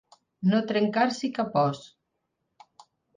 No trencar-s'hi cap os.